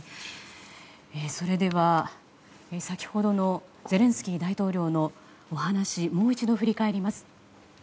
それでは、先ほどのゼレンスキー大統領のお話もう一度、振り返ります。